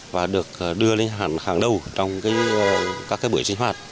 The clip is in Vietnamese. và được đưa lên hẳn hàng đầu trong các buổi sinh hoạt